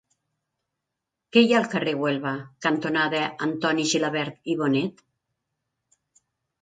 Què hi ha al carrer Huelva cantonada Antoni Gilabert i Bonet?